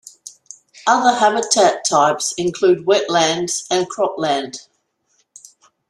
Other habitat types include wetlands and cropland.